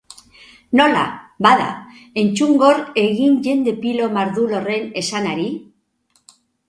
Nola, bada, entzungor egin jende pilo mardul horren esanari?